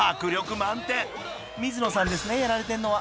［水野さんですねやられてるのは］